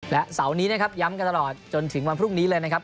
และเสาร์นี้นะครับย้ำกันตลอดจนถึงวันพรุ่งนี้เลยนะครับ